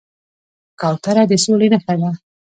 کوتره د سولې نښه ده